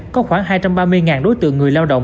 có khoảng hai trăm ba mươi đối tượng người lao động